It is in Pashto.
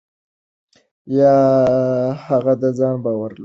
هغه د ځان باور لوړوي.